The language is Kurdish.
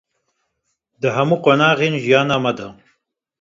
di hemû qonaxên jiyana me de.